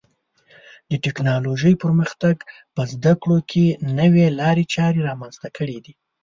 د ټکنالوژۍ پرمختګ په زده کړو کې نوې لارې چارې رامنځته کړې دي.